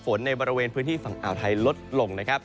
ในบริเวณพื้นที่ฝั่งอ่าวไทยลดลงนะครับ